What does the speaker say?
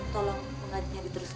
tolong pengadilnya diteruskan